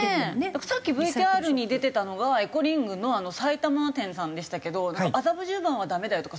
さっきＶＴＲに出てたのがエコリングのさいたま店さんでしたけど麻布十番はダメだよとかそういう事はないんですか？